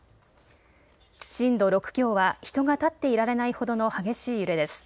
震度６強は人が立っていられないほどの激しい揺れです。